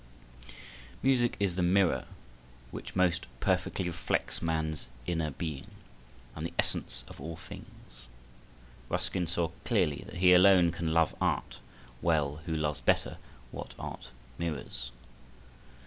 Music is the mirror which most perfectly reflects man's inner being and the essence of all things. Ruskin saw clearly that he alone can love art well who loves better what art mirrors.